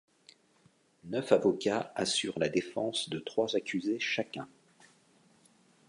Neuf avocats assurent la défense de trois accusés chacun.